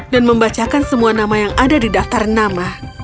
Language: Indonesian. dan membacakan semua nama yang ada di daftar nama